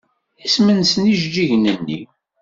Isem-nsen yijeǧǧigen-nni?